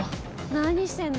何してんの？